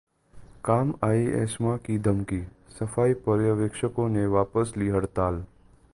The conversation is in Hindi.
काम आई एस्मा की धमकी, सफाई पर्यवेक्षकों ने वापस ली हड़ताल